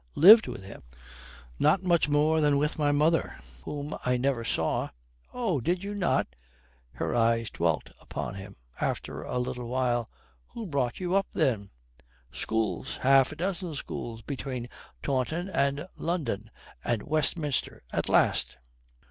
Lived with him? Not much more than with my mother, whom I never saw." "Oh, did you not?" Her eyes dwelt upon him. After a little while, "Who brought you up then?" "Schools. Half a dozen schools between Taunton and London, and Westminster at last."